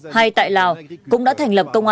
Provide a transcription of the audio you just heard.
hay tại lào cũng đã thành lập công an